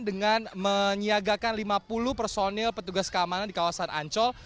dengan menyiagakan lima puluh personil petugas keamanan di kawasan ancol